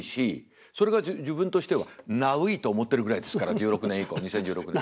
それが自分としてはナウいと思ってるぐらいですから１６年以降２０１６年。